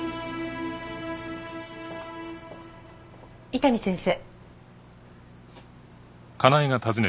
伊丹先生。